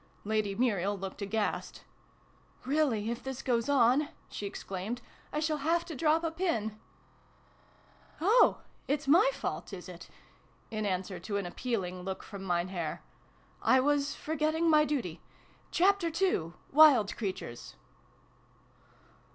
Lady Muriel looked aghast. " Really, if this goes on," she exclaimed, " I shall have to drop a pin ! Oh, it's my fault, is it ?" (In answer to an appealing look from Mein Herr.) " I was forgetting my duty. Chapter Two ! Wild Creatures